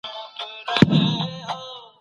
رښتيني انسان تل د نورو مرسته وکړه.